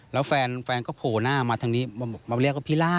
แล้วแฟนก็โผล่หน้ามาทางนี้มาเรียกว่าพิล่า